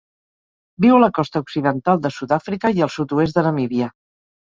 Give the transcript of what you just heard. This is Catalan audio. Viu a la costa occidental de Sud-àfrica i al sud-oest de Namíbia.